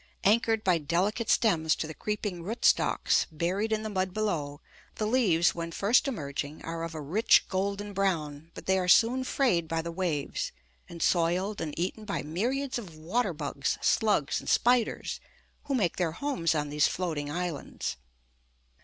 Anchored by delicate stems to the creeping root stalks, buried in the mud below, the leaves, when first emerging, are of a rich golden brown, but they are soon frayed by the waves, and soiled and eaten by myriads of water bugs, slugs, and spiders, who make their homes on these floating islands.